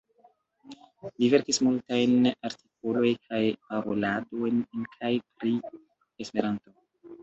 Li verkis multajn artikoloj kaj paroladojn en kaj pri Esperanto.